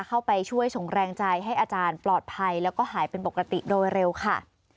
เข้าไปช่วยส่งแรงใจให้อาจารย์ปลอดภัยแล้วก็หายเป็นปกติโดยเร็วค่ะ